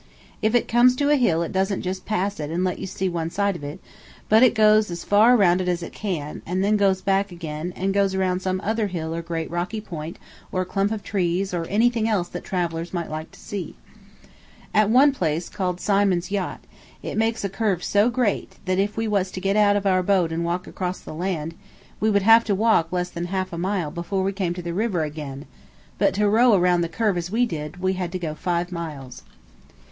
If it comes to a hill it doesn't just pass it and let you see one side of it, but it goes as far around it as it can, and then goes back again, and goes around some other hill or great rocky point, or a clump of woods, or anything else that travellers might like to see. At one place, called Symond's Yat, it makes a curve so great, that if we was to get out of our boat and walk across the land, we would have to walk less than half a mile before we came to the river again; but to row around the curve as we did, we had to go five miles.